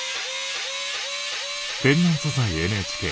「天然素材ＮＨＫ」。